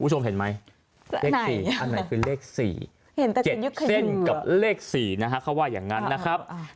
เห็นไหมอันไหนคือเลข๔เจ็ดเส้นกับเลข๔นะฮะเค้าว่าอย่างนั้นนะครับ